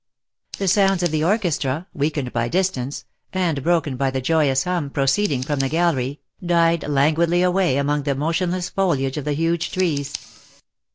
The sounds of the orchestra, weakened by distance, and broken by the joyous hum proceeding from the gallery, died languidly away among the motionless foliage of the huge trees.